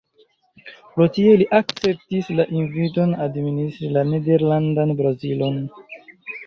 Pro tio, li akceptis la inviton administri la Nederlandan Brazilon.